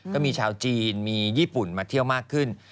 ก็มีชาวจีนมีญี่ปุ่นมาเที่ยวมากขึ้น